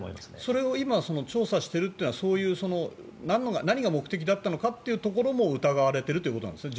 それを今、調査しているというのは何が目的だったのかというところも疑われているということなんですか。